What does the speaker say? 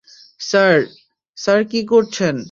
Sir, sir কী করছেন?